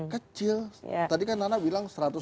kecil tadi kan nana bilang